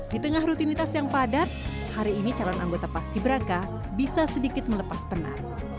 di tengah rutinitas yang padat hari ini calon anggota paski beraka bisa sedikit melepas penat